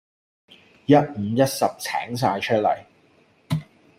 一五一十請曬出嚟